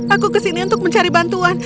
aku kesini untuk mencari bantuan